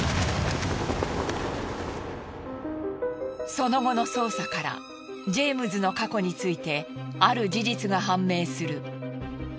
その後の捜査からジェームズの過去についてある事実が判明する。